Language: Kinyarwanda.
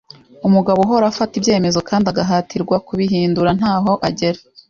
Umugabo uhora afata ibyemezo kandi agahatirwa kubihindura ntaho agera.